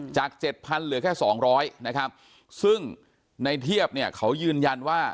จาก๗๐๐๐เหลือแค่๒๐๐ซึ่งในเทียบเขายืนยันว่า